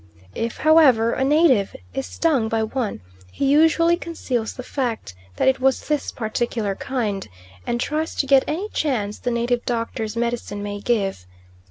If, however, a native is stung by one he usually conceals the fact that it was this particular kind, and tries to get any chance the native doctor's medicine may give.